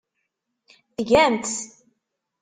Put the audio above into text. Tgam-tt!